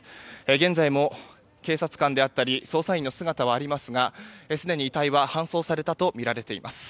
現在も警察官であったり捜査員の姿はありますがすでに遺体は搬送されたとみられています。